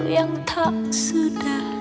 yang tak sudah